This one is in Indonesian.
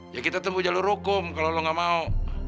ya kita tembus jalur hukum kalo lo gak mau